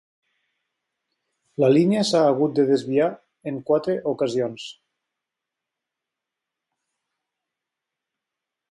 La línia s'ha hagut de desviar en quatre ocasions.